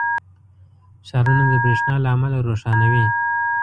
• ښارونه د برېښنا له امله روښانه وي.